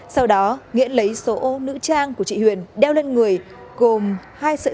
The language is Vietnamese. sau đó nghĩa lấy số ô nữ trang của chị huyền đeo lên người gồm hai sợi